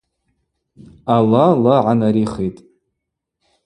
Ала ла гӏанарихитӏ.